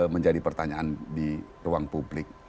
menjadi pertanyaan di ruang publik